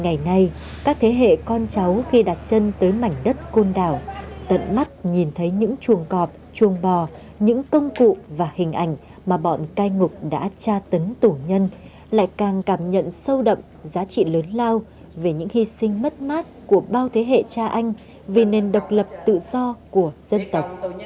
ngày nay các thế hệ con cháu khi đặt chân tới mảnh đất côn đảo tận mắt nhìn thấy những chuồng cọp chuồng bò những công cụ và hình ảnh mà bọn cai ngục đã tra tấn tổ nhân lại càng cảm nhận sâu đậm giá trị lớn lao về những hy sinh mất mát của bao thế hệ cha anh vì nền độc lập tự do của dân tộc